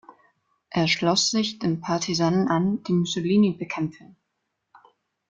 Er schloss sich den Partisanen an, die Mussolini bekämpften.